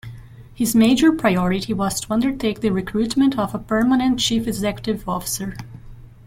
His major priority was to undertake the recruitment of a permanent chief executive officer.